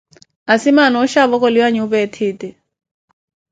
Asimaana ooxhi avokoliwa nyuupa ethiiti.